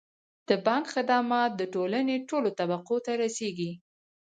د بانک خدمات د ټولنې ټولو طبقو ته رسیږي.